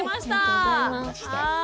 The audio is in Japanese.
ありがとうございます。